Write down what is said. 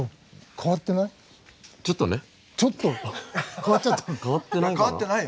変わってないよ変わってない。